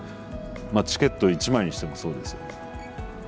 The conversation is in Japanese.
まあチケット１枚にしてもそうですよね。